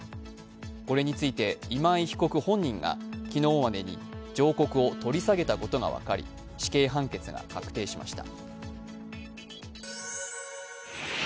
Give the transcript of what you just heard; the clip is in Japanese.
これについて、今井被告本人が昨日までに上告を取り下げたことが分かり死刑判決が確定しました。